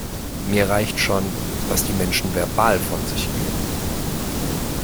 Mir reicht schon, was die Menschen verbal von sich geben.